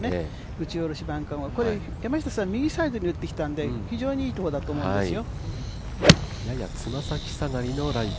打ち下ろしバンカー、山下さんは右サイドに打ってきたので、非常にいいところだと思うんですよ。